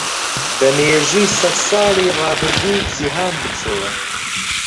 بە میژووی سەدساڵی ڕابردوو جیهاند بچۆوە.